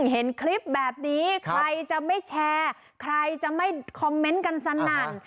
เห็นคลิปแบบนี้ใครจะไม่แชร์ใครจะไม่คอมเมนต์กันสนั่น